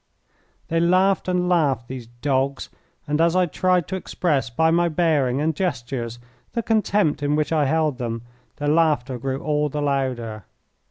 They laughed and laughed, these dogs, and as I tried to express by my bearing and gestures the contempt in which I held them their laughter grew all the louder.